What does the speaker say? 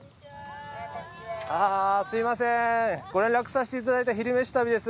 あぁすみませんご連絡させていただいた「昼めし旅」です。